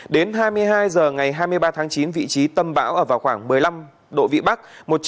đến hai mươi hai h ngày hai mươi ba tháng chín vị trí tâm bão ở vào khoảng một mươi năm độ vĩ bắc